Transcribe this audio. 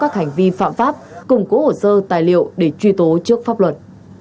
các hành vi phạm pháp củng cố hồ sơ tài liệu để truy tố trước pháp luật